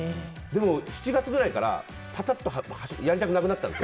でも、７月ぐらいからパタッとやりたくなくなったの。